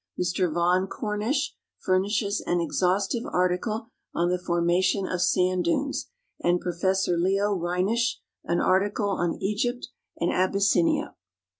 jNIr Vaugluin Cornish furnishes an exhaustive article on the Formation of Sand dunes, and Professor Leo lleini.sch an article on Egypt and Abyssinia.